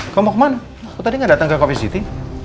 kamu mau kemana aku tadi gak datang ke coffeesity